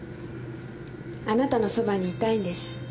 あなたのそばにいたいんです。